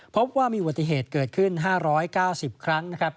พบว่ามีอุบัติเหตุเกิดขึ้น๕๙๐ครั้งนะครับ